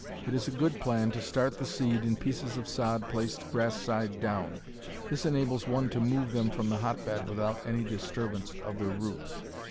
It is a good plan to start the seed in pieces of sod placed grass side down. This enables one to move them from the hotbed without any disturbance of their roots.